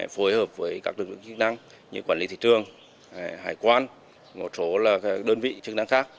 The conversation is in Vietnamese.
phối hợp với các lực lượng chức năng như quản lý thị trường hải quan một số đơn vị chức năng khác